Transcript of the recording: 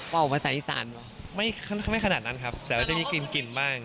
ว่าอาทิตย์แสนอีสานหรอกไม่ไม่ขนาดนั้นครับแต่ว่าจะมีกลิ่นกลิ่นบ้าง